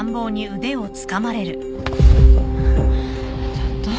ちょっと。